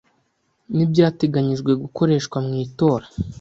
n ibyateganyijwe gukoreshwa mu itora